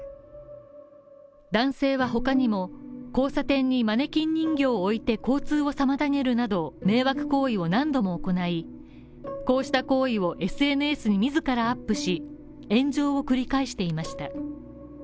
男性は他にも、交差点にマネキン人形を置いて交通を妨げるなど迷惑行為を何度も行いこうした行為をＳＮＳに自らアップし炎上を繰り返していました。